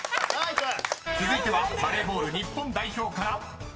［続いてはバレーボール日本代表から］